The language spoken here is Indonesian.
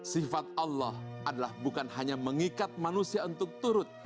sifat allah adalah bukan hanya mengikat manusia untuk turut